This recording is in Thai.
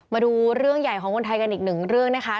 มาดูเรื่องใหญ่ของคนไทยกันอีกหนึ่งเรื่องนะคะ